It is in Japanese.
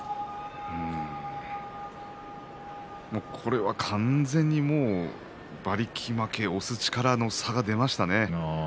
これは完全に馬力負け押す力の差が出ましたね。